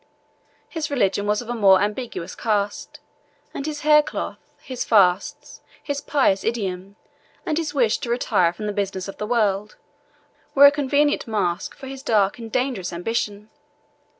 His religion was of a more ambiguous cast; and his hair cloth, his fasts, his pious idiom, and his wish to retire from the business of the world, were a convenient mask for his dark and dangerous ambition.